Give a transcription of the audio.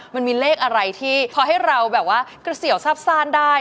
มันมีเลขอะไรที่เพราะให้เรากระเสี่ยวซาบซ่านได้